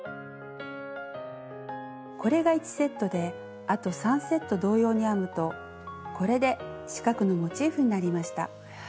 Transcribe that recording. これが１セットであと３セット同様に編むとこれで四角のモチーフになりました。